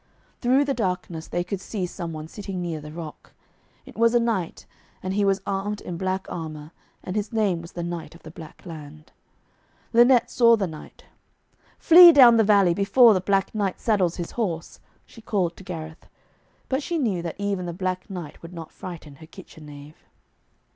Through the darkness they could see some one sitting near the rock. It was a knight, and he was armed in black armour, and his name was 'the Knight of the Black Land.' Lynette saw the knight. 'Flee down the valley, before the Black Knight saddles his horse,' she called to Gareth. But she knew that even the Black Knight would not frighten her kitchen knave.